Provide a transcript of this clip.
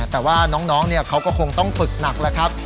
แต่ว่าน้องเขาก็คงต้องฝึกหนักแล้วครับ